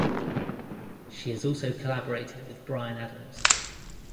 She has also collaborated with Bryan Adams.